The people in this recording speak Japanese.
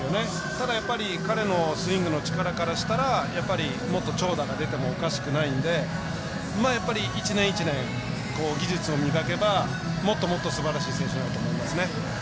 しかし彼のスイングの力からしたらもっと長打が出てもおかしくないんでやっぱり一年一年、技術を磨けばもっとすばらしい選手になると思いますね。